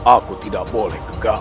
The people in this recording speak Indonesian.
aku tidak boleh kegagalan